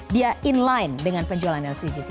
dia in line dengan penjualan lcgc